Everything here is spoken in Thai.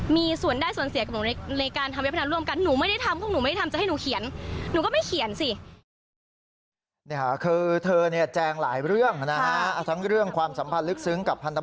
มีส่วนได้ส่วนเสียกับหนูในการทำเวียบพนันร่วมกัน